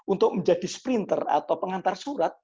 untuk menjadi sprinter atau pengantar surat